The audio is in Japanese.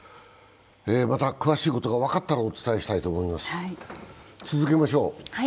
また詳しいことが分かったらお伝えしたいと思います。